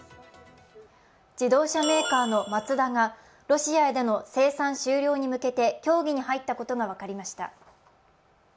自動車メーカーのマツダがロシアでの生産終了に向けて協議に入ったことが分かりました。